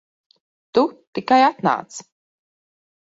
Tu tikai atnāc.